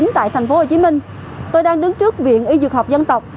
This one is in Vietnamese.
tại thành phố hồ chí minh tôi đang đứng trước viện y dược học dân tộc